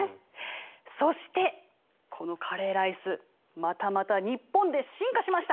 そしてこのカレーライスまたまた日本で進化しました！